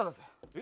え？